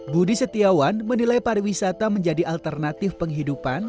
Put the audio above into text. budi setiawan menilai pariwisata menjadi alternatif penghidupan